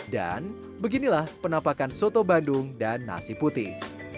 dan beginilah penampakan soto bandung dan nasi putih